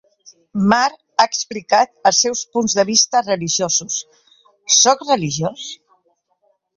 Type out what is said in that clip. Marr ha explicat els seus punts de vista religiosos: Soc religiós?